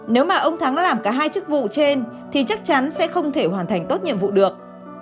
nếu mà ông thắng làm cả hai chức vụ trên thì chắc chắn sẽ không thể hoàn thành tốt nhiệm vụ được